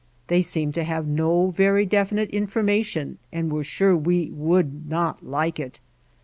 They seemed to have no very definite information and were sure we would not like it.